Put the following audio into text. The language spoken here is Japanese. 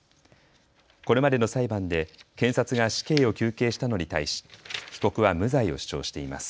これまでの裁判で検察が死刑を求刑したのに対し、被告は無罪を主張しています。